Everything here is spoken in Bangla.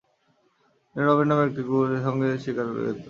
তিনি রবিন নামের ছোট একটি কুকুরকে সঙ্গে নিয়ে শিকার করতেন।